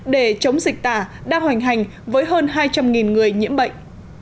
để chống dịch tả đang hoành hành với hơn hai trăm linh người nhiễm bệnh